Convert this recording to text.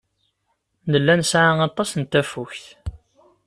Nella nesɛa aṭas n tafukt.